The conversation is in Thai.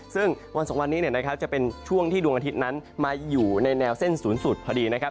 ซึ่งวันสองวันนี้จะเป็นช่วงที่ดวงอาทิตย์นั้นมาอยู่ในแนวเส้นศูนย์สุดพอดีนะครับ